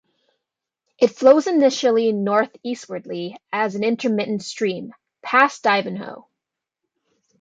It flows initially northeastwardly as an intermittent stream, past Ivanhoe.